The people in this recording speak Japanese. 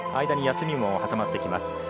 間に休みも挟まってきます。